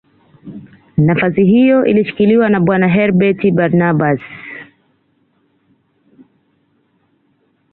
Nafasi hiyo ilishikiliwa na Bwana Herbert Barnabas